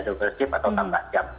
double shift atau tambah jam